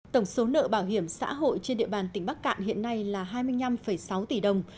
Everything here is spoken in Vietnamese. tổng số nợ bảo hiểm xã hội trên địa bàn tỉnh bắc cạn hiện nay là hai mươi năm sáu tỷ đồng